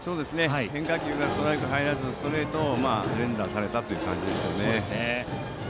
変化球がストライクに入らずストレートを連打された感じでしたね。